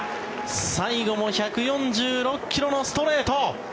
最後も１４６ｋｍのストレート。